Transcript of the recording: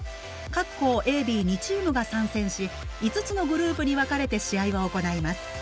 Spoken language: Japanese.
各校ＡＢ２チームが参戦し５つのグループに分かれて試合を行います。